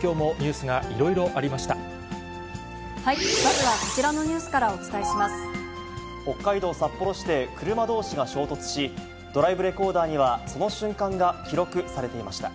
きょうもニュースがいろいろありまずはこちらのニュースから北海道札幌市で車どうしが衝突し、ドライブレコーダーには、その瞬間が記録されていました。